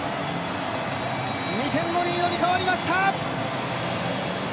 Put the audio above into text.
２点のリードに変わりました。